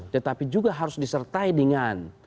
tetapi juga harus disertai dengan